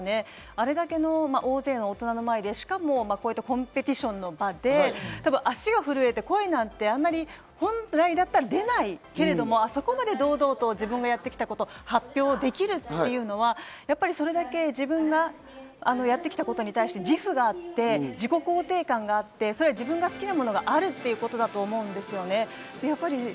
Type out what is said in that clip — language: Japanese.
あれだけの大勢の大人の前で、しかもコンペティションの場で、足が震えて声なんて本当だったら出ないけれども、あそこまで堂々と自分がやってきたことを発表できるっていうことは、それだけ自分がやってきたことに自負があって自己肯定感があって、それは自分が好きなことがあるっていうことだと思うんですよね。